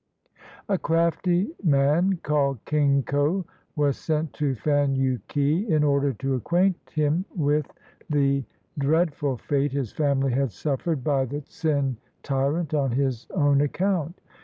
A crafty man, called King ko, was sent to Fan yu ke in order to acquaint him with the 41 CHINA dreadful fate his family had suffered by the Tsin tyrant on his own account.